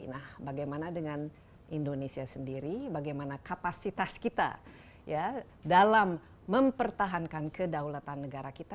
nah bagaimana dengan indonesia sendiri bagaimana kapasitas kita dalam mempertahankan kedaulatan negara kita